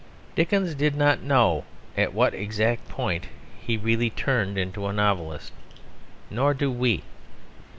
Dickens did not know at what exact point he really turned into a novelist. Nor do we.